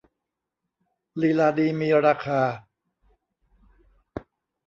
ลีลาดีมีราคา